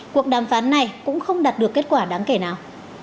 cuộc đàm phán này cũng không đạt được kết quả đáng kể nào